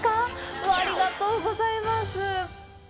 うわぁ、ありがとうございます！